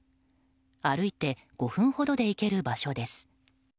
歩いて５分ほどで行ける場所です。